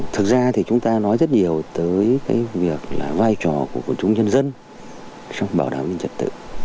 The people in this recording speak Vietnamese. thực ra thì chúng ta nói rất nhiều tới cái việc là vai trò của quân chúng nhân dân trong bảo đảm an ninh trật tự